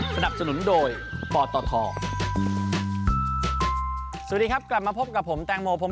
สวัสดีครับกลับมาพบกับผมแตงโมผม